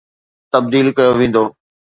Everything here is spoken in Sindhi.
تبديل ڪيو ويندو.